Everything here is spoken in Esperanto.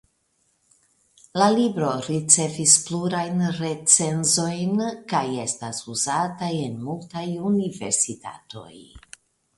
La libro ricevis plurajn recenzojn kaj estas uzata en multaj universitatoj.